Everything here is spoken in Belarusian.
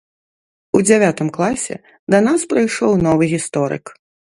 У дзявятым класе да нас прыйшоў новы гісторык.